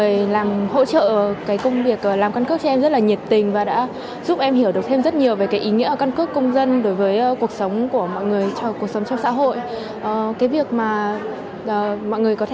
các chú công an rất nhiệt tình mặc dù các chú hơi nghiêm túc